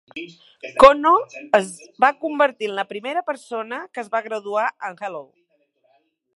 Konno es va convertir en la primera persona que es va graduar a Hello!